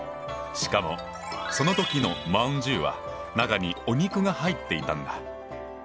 しかもその時の饅頭は中にお肉が入っていたんだ！